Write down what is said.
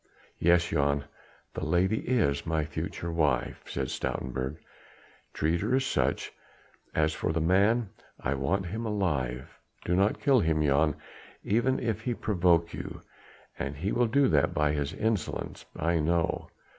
"Yes, Jan. The lady is my future wife," said Stoutenburg. "Treat her as such. As for the man ... I want him alive ... do not kill him, Jan, even if he provoke you. And he will do that by his insolence, I know."